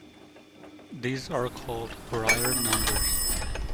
These are called Brier numbers.